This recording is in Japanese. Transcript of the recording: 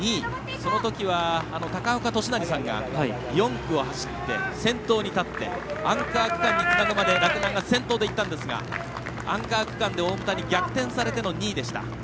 そのときは高岡寿成さんが４区を走って先頭に立ってアンカー区間につなぐまで洛南が先頭でいったんですがアンカー区間で逆転されての２位でした。